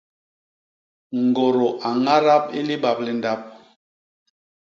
Ñgôrô a ñadap i libap li ndap.